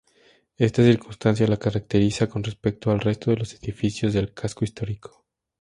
Esta circunstancia la caracteriza con respecto al resto de los edificios del casco histórico.